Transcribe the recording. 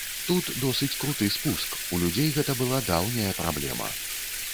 Тут досыць круты спуск, у людзей гэта была даўняя праблема.